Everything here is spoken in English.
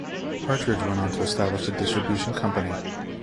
Hartridge went on to establish a distribution company.